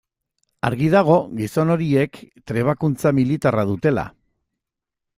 Argi dago gizon horiek trebakuntza militarra dutela.